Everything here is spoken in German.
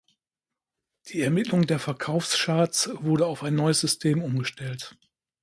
Die Ermittlung der Verkaufscharts wurde auf ein neues System umgestellt.